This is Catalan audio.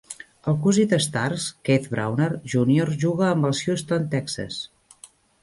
El cosí de Starks, Keith Browner, júnior juga amb els Houston Texas.